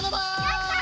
やった！